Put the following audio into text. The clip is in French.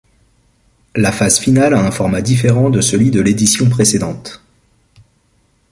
La phase finale a un format différent de celui de l'édition précédente.